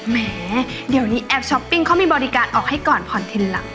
แหมเดี๋ยวนี้แอปช้อปปิ้งเขามีบริการออกให้ก่อนผ่อนทินหลัก